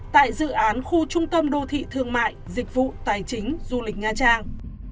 tại dự án khu trung tâm đô thị thương mại dịch vụ tài chính du lịch nha trang